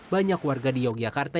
banyak warga di yogyakarta